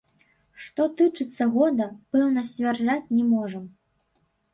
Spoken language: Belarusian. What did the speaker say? Што тычыцца года, пэўна сцвярджаць не можам.